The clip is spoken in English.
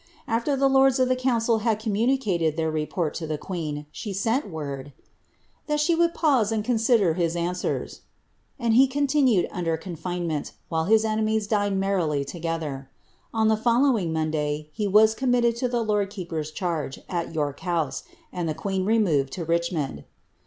After the lords of the council had communicated their report to the queen, she sent word " that she would pause and consider his answere,'' and he continued under confinement while his enemies dined merrilv tosrtber. On the following llonday he was committed to the lord keeper's ch^[g^ BtTork house, and the queen removed to Richmond.